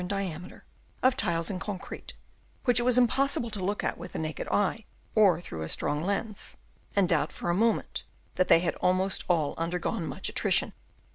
in diameter) of tiles and concrete, which it was impossible to look at with the naked eye or through a strong lens, and doubt for a Chap. V. AND DENUDATION. 257 moment that they had almost all undergone much attrition.